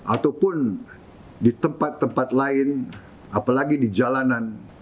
ataupun di tempat tempat lain apalagi di jalanan